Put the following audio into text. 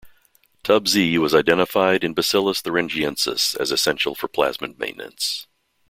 TubZ was identified in "Bacillus" "thuringiensis" as essential for plasmid maintenance.